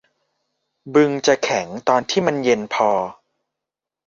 บึงจะแข็งตอนที่มันเย็นพอ